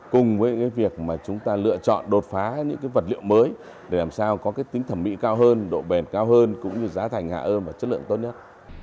cùng với việc chúng ta lựa chọn đột phá những vật liệu mới để làm sao có tính thẩm mỹ cao hơn độ bền cao hơn cũng như giá thành hạ ơn và chất lượng tốt nhất